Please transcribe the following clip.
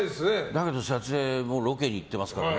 だけど撮影ロケに行ってますからね。